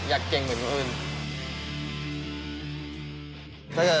ผิดประเดินทุกราย